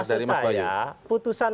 dari mas bayu maksud saya putusan